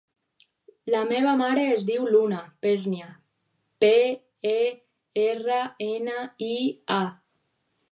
La meva mare es diu Luna Pernia: pe, e, erra, ena, i, a.